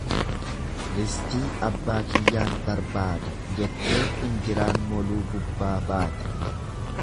Ristii abbaa kiyyaan barbaada jettee injiraan moluu gubbaa baate.